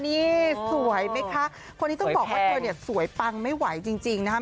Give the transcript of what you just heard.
นี่สวยไหมคะคนนี้ต้องบอกว่าเธอเนี่ยสวยปังไม่ไหวจริงนะครับ